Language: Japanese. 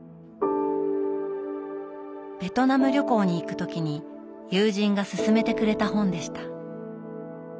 ベトナム旅行に行く時に友人がすすめてくれた本でした。